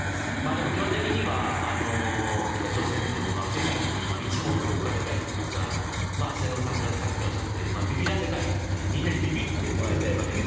でも基本的には北朝鮮というのは世界に一目を置かれたいというか末延さんがさっきからおっしゃっているようにビビらせたいというかみんなにビビってもらいたい。